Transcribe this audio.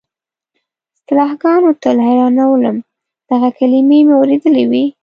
اصطلاحګانو تل حیرانولم، دغه کلیمې مو اورېدلې وې.